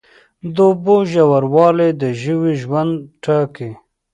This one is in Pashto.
د اوبو ژوروالی د ژویو ژوند ټاکي.